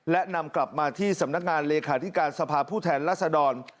และนำกลับมาที่สำนักงานเลขาธิการสภาพผู้แทนรัศดร